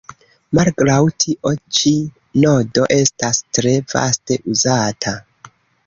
Malgraŭ tio, ĉi nodo estas tre vaste uzata.